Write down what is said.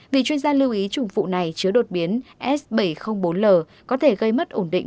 vì chuyên gia lưu ý chủng phụ này chứa đột biến s bảy trăm linh bốn l có thể gây mất ổn định